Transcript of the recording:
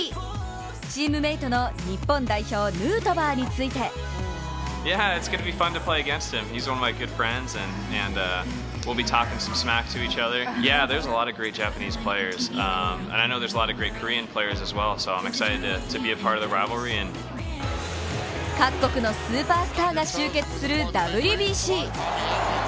チームメイトの日本代表のヌートバーについて各国のスーパースターが集結するＷＢＣ。